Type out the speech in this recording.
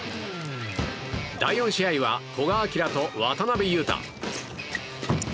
第４試合は古賀輝と渡辺勇大。